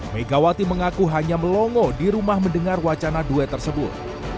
megawati mengaku hanya melongo di rumah mendengar wacana duet tersebut